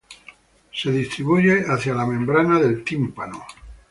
Se distribuye hacia la "membrana del tímpano".